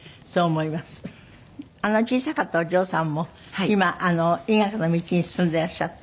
あの小さかったお嬢さんも今医学の道に進んでらっしゃって？